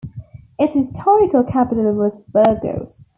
Its historical capital was Burgos.